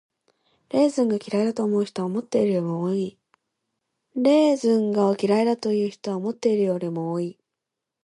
レーズンが嫌いだという人は思っているよりも多い。